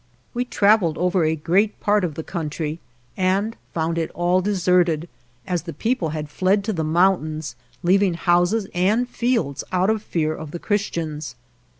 We travelled over a great part of the country, and found it all deserted, as the people had fled to the mountains, leaving houses and fields out of fear of the Chris tians.